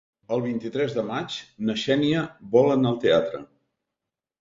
El vint-i-tres de maig na Xènia vol anar al teatre.